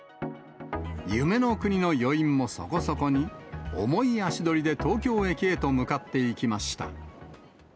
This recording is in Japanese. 夢の国の余韻もそこそこに、重い足取りで東京駅へと向かっていきました。